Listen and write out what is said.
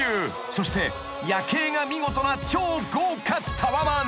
そして夜景が見事な超豪華タワマン］